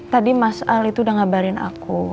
tadi mas al itu udah ngabarin aku